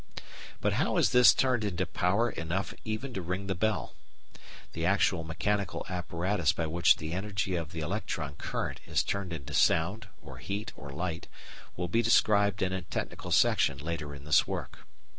But how is this turned into power enough even to ring a bell? The actual mechanical apparatus by which the energy of the electron current is turned into sound, or heat, or light will be described in a technical section later in this work.